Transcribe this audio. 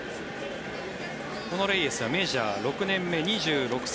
このレイエスはメジャー６年目２６歳。